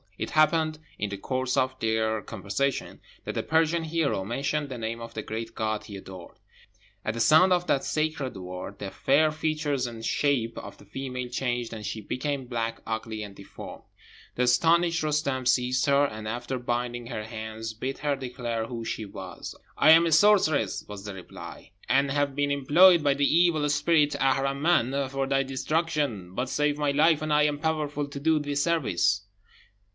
It happened, in the course of their conversation, that the Persian hero mentioned the name of the great God he adored. At the sound of that sacred word the fair features and shape of the female changed, and she became black, ugly, and deformed. The astonished Roostem seized her, and after binding her hands, bid her declare who she was. "I am a sorceress," was the reply, "and have been employed by the evil spirit Aharman for thy destruction; but save my life, and I am powerful to do thee service."